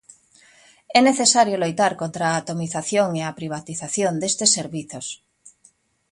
É necesario loitar contra a atomización e a privatización destes servizos.